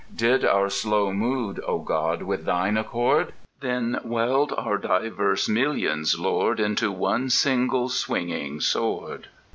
Did our slow mood, O God, with thine accord? Then weld our diverse millions, Lord, Into one single swinging sword.